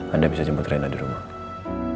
anda bisa jemput rena di rumah